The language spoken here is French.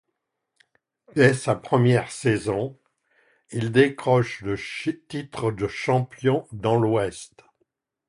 Dès sa première saison, il décroche le titre de champion dans l'ouest.